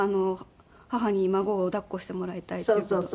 母に孫を抱っこしてもらいたいっていう事を。